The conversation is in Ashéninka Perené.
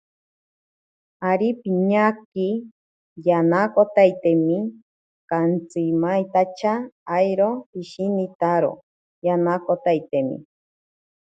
Ari piñaki yanakotaitemi, kantsimaintacha airo pishinitaro yanakotaitemi.